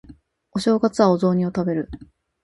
お正月はお雑煮を食べる